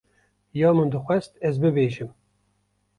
Ya min dixwest ez bibêjim.